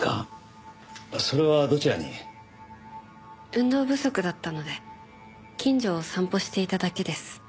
運動不足だったので近所を散歩していただけです。